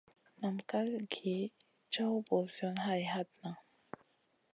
Nam ká gi caw ɓosiyona hay hatna.